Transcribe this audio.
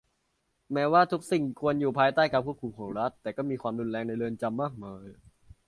แม้ว่าทุกสิ่งควรอยู่ภายใต้การควบคุมของรัฐ แต่ก็มีความรุนแรงในเรือนจำมากมาย